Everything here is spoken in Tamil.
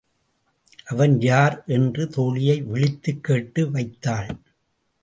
அவன் யார்? என்று தோழியை விளித்துக் கேட்டு வைத்தாள்.